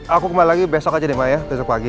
aku kembali lagi besok aja deh ma ya besok pagi